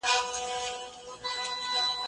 کار د ډلې له خوا ترسره کيږي!؟